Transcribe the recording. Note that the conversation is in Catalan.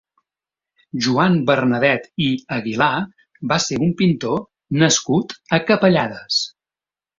Joan Bernadet i Aguilar va ser un pintor nascut a Capellades.